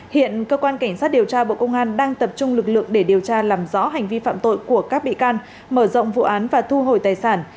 hiện cơ quan cảnh sát điều tra bộ công an đang tập trung lực lượng để điều tra làm rõ hành vi phạm tội của các bị can mở rộng vụ án và thu hồi tài sản